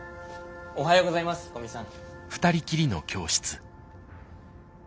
おはようございます古見さん。